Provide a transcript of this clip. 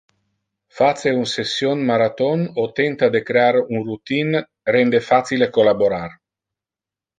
Face un session marathon o tenta de crear un routine rende facile collaborar.